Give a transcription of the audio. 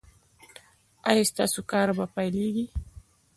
ایا ستاسو کار به پیلیږي؟